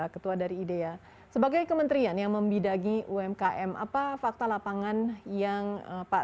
ketua dari idea sebagai kementerian yang membidagi umkm apa fakta lapangan yang pak